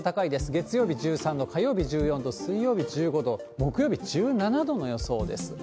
月曜日１３度、火曜日１４度、水曜日１５度、木曜日１７度の予想です。